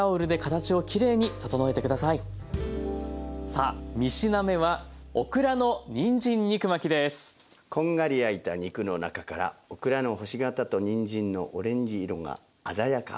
さあ３品目はこんがり焼いた肉の中からオクラの星形とにんじんのオレンジ色が鮮やか。